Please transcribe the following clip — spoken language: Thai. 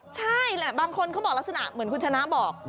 ใช่แหละบางคนเขาบอกลักษณะเหมือนคุณชนะบอก